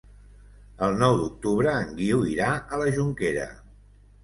El nou d'octubre en Guiu irà a la Jonquera.